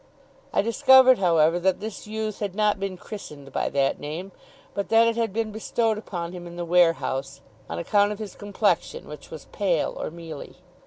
I discovered, however, that this youth had not been christened by that name, but that it had been bestowed upon him in the warehouse, on account of his complexion, which was pale or mealy.